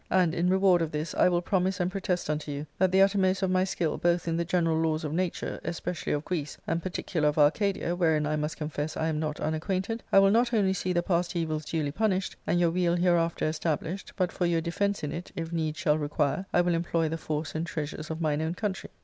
And, in reward of this, I will promise and protest unto you that the uttermost of my skill, both in the general laws of nature, especially of Greece, and particular of Arcadia (wherein I must confess I am not unacquainted), I will not only see the past evils duly punished, and your weal hereafter established, but, for your defence in it, if need shall require, I will employ the force and treasures of mine own country.